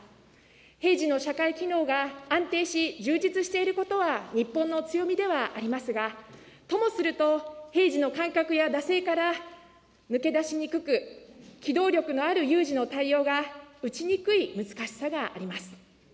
平時の社会機能が安定し、充実していることは日本の強みではありますが、ともすると、平時の感覚や惰性から抜け出しにくく、機動力のある有事の対応が打ちにくい難しさがあります。